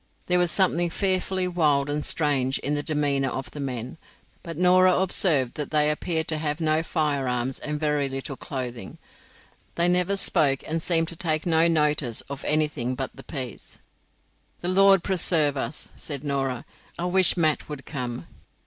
There was something fearfully wild and strange in the demeanour of the men, but Norah observed that they appeared to have no firearms and very little clothing. They never spoke, and seemed to take no notice of anything but the peas. "The Lord preserve us," said Norah, "I wish Mat would come."